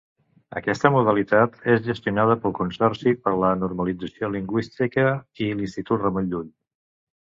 Aquesta modalitat és gestionada pel Consorci per a la Normalització Lingüística i l’Institut Ramon Llull.